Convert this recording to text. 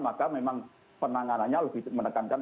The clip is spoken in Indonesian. maka memang penanganannya lebih menekankan